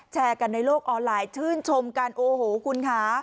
แชร์กันในโลกออนไลน์ชื่นชมกันโอ้โหคุณค่ะ